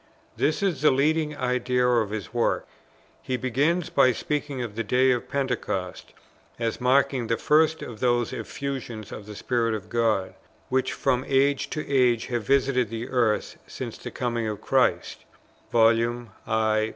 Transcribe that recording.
This is the leading idea of his work. He begins by speaking of the Day of Pentecost, as marking "the first of those Effusions of the Spirit of God, which from age to age have visited the earth since the coming of Christ." Vol. i.